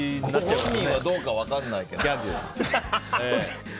ご本人はどうか分からないけど。